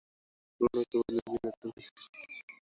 তিনি বলেন, পুরোনোকে বদলে দিয়ে নতুন কিছু তৈরি করা খুব সহজ।